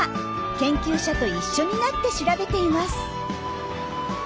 研究者と一緒になって調べています。